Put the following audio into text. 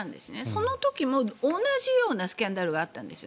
その時も同じようなスキャンダルがあったんです。